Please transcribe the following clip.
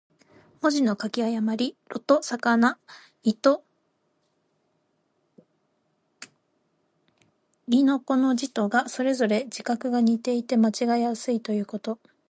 文字の書き誤り。「魯」と「魚」、「亥」と「豕」の字とが、それぞれ字画が似ていて間違えやすいということ。